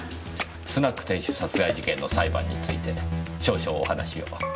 スナック店主殺害事件の裁判について少々お話を。